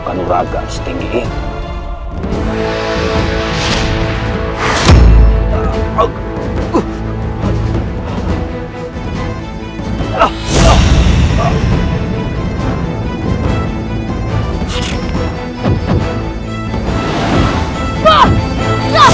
kanuragan setinggi ini